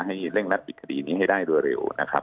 ให้เล่งรับติดคดีนี้ให้ได้เร็ว